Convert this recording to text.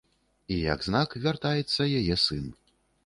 І як знак, вяртаецца яе сын.